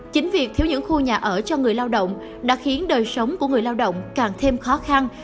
chính việc thiếu những khu nhà ở cho người lao động đã khiến đời sống của người lao động càng thêm khó khăn